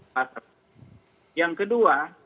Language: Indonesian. pasal yang kedua